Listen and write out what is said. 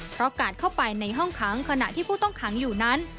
เพราะกาดเข้าไปในห้องค้างขณะที่ผู้ต้องขังอยู่นั้น